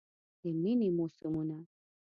د میینې موسمونه